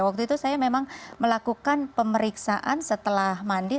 waktu itu saya memang melakukan pemeriksaan setelah mandi